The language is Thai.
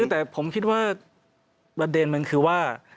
แต่ผมคิดว่าประเด็นมันคือว่า